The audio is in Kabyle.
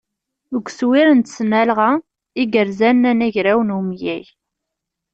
Deg uswir n tesnalɣa i yerzan anagraw n umyag.